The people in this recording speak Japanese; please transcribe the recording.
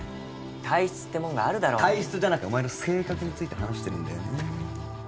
体質ってもんがあるだろ体質じゃなくてお前の性格について話してるんだよね